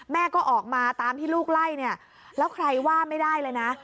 แม่ก็ออกมาตามที่ลูกไล่เนี่ยแล้วใครว่าไม่ได้เลยนะ